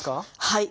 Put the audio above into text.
はい。